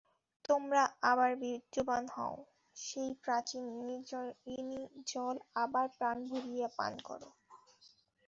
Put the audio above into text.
তোমরা আবার বীর্যবান হও, সেই প্রাচীন নির্ঝরিণীর জল আবার প্রাণ ভরিয়া পান কর।